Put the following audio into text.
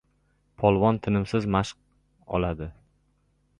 Polvon tinimsiz mashq oladi.